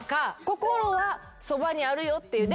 心はそばにあるよっていう。